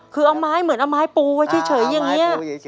คือเอาไม้เหมือนเอาไม้ปูไว้เฉยอย่างนี้